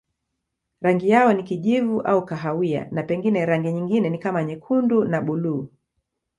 Rangi yao ni kijivu au kahawia na pengine rangi nyingine kama nyekundu na buluu.